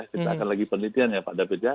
kita akan lagi penelitian ya pak david ya